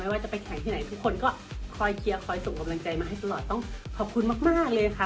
ว่าจะไปแข่งที่ไหนทุกคนก็คอยเชียร์คอยส่งกำลังใจมาให้ตลอดต้องขอบคุณมากเลยค่ะ